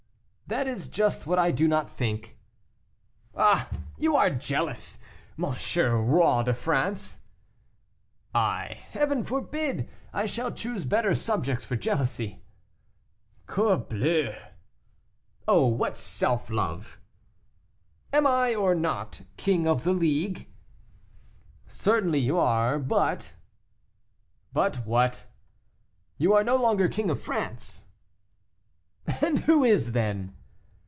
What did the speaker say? "That is just what I do not think." "Ah! you are jealous, M. Roi de France." "I! Heaven forbid. I shall choose better subjects for jealousy." "Corbleu." "Oh! what self love." "Am I or not king of the League?" "Certainly you are; but " "But what?" "You are no longer King of France." "And who is king then?"